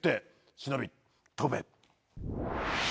忍び飛べ。